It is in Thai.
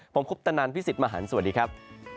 ผมคุปตนันพี่สิทธิ์มหันฯสวัสดีครับ